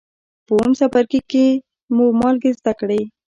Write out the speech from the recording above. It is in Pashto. په اووم څپرکي کې مو مالګې زده کړې.